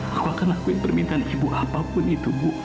aku akan lakuin permintaan ibu apapun itu bu